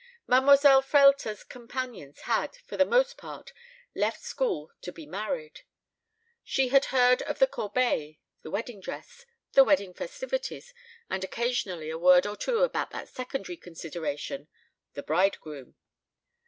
Mademoiselle Frehlter's companions had, for the most part, left school to be married. She had heard of the corbeille, the wedding dress, the wedding festivities, and occasionally a word or two about that secondary consideration the bridegroom.